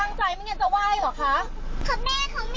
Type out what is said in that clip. ลูกสาวที่สาวบ้านว่ากล้ำน้ำพิวปกติ